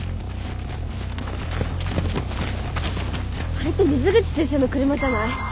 あれって水口先生の車じゃない？